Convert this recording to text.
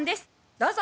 どうぞ。